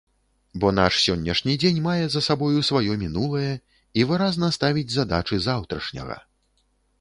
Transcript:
Бо наш сённяшні дзень мае за сабою сваё мінулае і выразна ставіць задачы заўтрашняга.